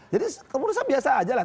jadi kepenusan biasa aja lah